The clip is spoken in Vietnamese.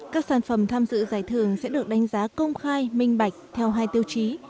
các sản phẩm tham dự giải thưởng sẽ được đánh giá công khai minh bạch theo hai tiêu chí